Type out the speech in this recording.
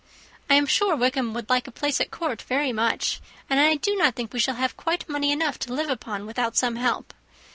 I am sure Wickham would like a place at court very much; and I do not think we shall have quite money enough to live upon without some help.